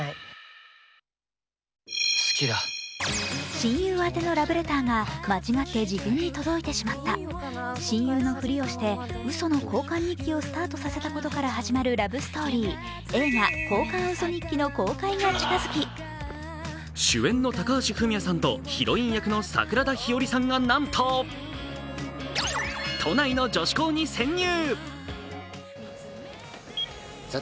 親友宛てのラブレターが間違って自分に届いてしまった、親友のふりをしてうその交換日記をスタートさせたことから始まる映画「交換ウソ日記」の公開が近付き主演の高橋文哉さんと、ヒロイン役の桜田ひよりさんがなんと、都内の女子校に潜入！